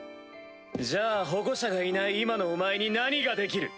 じゃあ保護者がいない今のお前に何ができる！